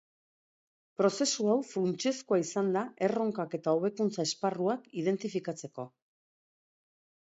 Prozesu hau funtsezkoa izan da erronkak eta hobekuntza esparruak identifikatzeko.